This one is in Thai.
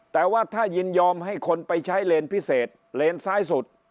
แต่ว่าถ้ายินยอมให้คนไปใช้เลนพิเศษเลนซ้ายสุด